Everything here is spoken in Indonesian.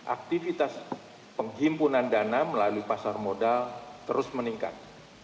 aktivitas penghimpunan dana melalui pasar modal terus meningkat